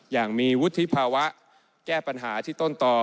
อย่างมีวุฒิภาวะแก้ปัญหาที่ต้นต่อ